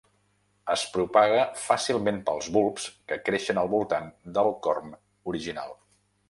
Es propaga fàcilment pels bulbs que creixen al voltant del corm original.